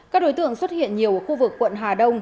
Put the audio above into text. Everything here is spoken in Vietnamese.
các đối tượng xuất hiện nhiều ở khu vực quận hà đông